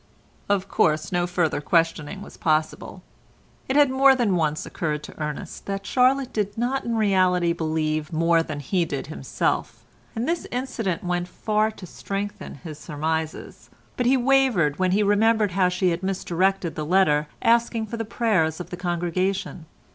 Of course no further questioning was possible. It had more than once occurred to Ernest that Charlotte did not in reality believe more than he did himself, and this incident went far to strengthen his surmises, but he wavered when he remembered how she had misdirected the letter asking for the prayers of the congregation.